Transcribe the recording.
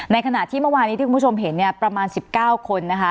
ขณะที่เมื่อวานี้ที่คุณผู้ชมเห็นเนี่ยประมาณ๑๙คนนะคะ